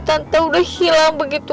tante udah hilang begitu